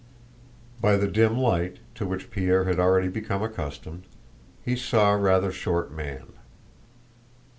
By the dim light, to which Pierre had already become accustomed, he saw a rather short man.